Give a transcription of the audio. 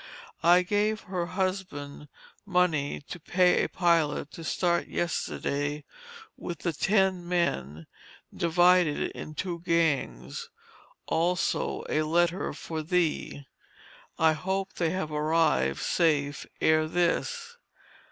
I gave her husband money to pay a pilot to start yesterday with the ten men, divided in two gangs; also a letter for thee. I hope they have arrived safe ere this.